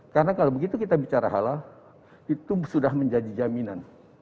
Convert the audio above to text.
karena kalau begitu kita bicara halal itu sudah menjadi jaminan